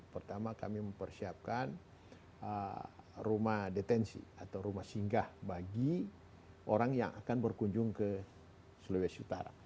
pertama kami mempersiapkan rumah detensi atau rumah singgah bagi orang yang akan berkunjung ke sulawesi utara